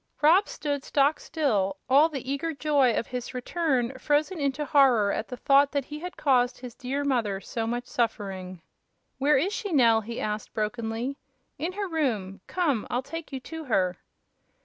Rob stood stock still, all the eager joy of his return frozen into horror at the thought that he had caused his dear mother so much suffering. "Where is she, Nell?" he asked, brokenly. "In her room. Come; I'll take you to her."